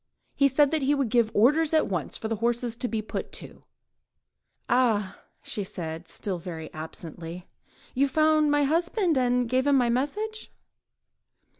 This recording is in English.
He said that he would give orders at once for the horses to be put to." "Ah!" she said, still very absently, "you found my husband, and gave him my message?"